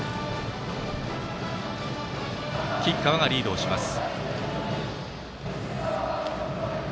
吉川がリードをします。